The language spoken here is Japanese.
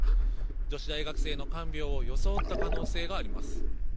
女子大学生の看病を装った可能性があります。